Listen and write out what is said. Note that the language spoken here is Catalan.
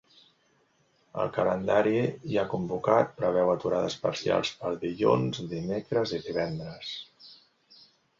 El calendari ja convocat preveu aturades parcials per al dilluns, dimecres i divendres.